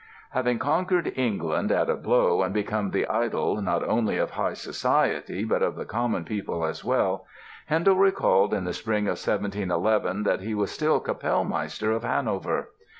Having conquered England at a blow and become the idol not only of high society but of the common people as well, Handel recalled in the spring of 1711 that he was still Kapellmeister of Hanover.